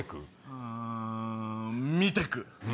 うん見てく。